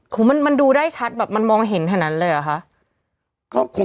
ขอมันดูได้ชัดมันมองเห็นแถ่นั้นเลยหรอคะ